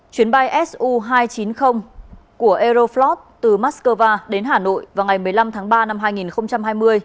chuyến bay su hai trăm chín mươi của aeroflot từ moscow đến hà nội vào ngày một mươi năm tháng ba năm hai nghìn hai mươi